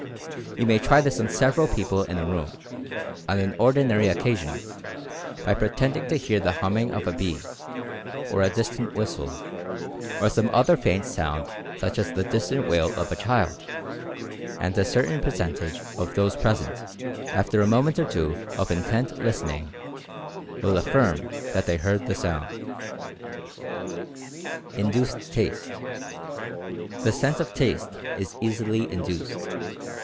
You may try this on several people in a room, on an ordinary occasion, by pretending to hear the humming of a bee, or a dis tant whistle, or some other faint sound such as the distant wail of a child, and a certain percentage of those present, after a moment or two of intent listen ing, will affirm that they heard the sound. INDUCED TASTE. The sense of taste is easily induced.